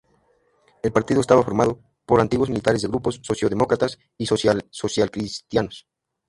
El partido estaba formado por antiguos militantes de grupos socialdemócratas y socialcristianos.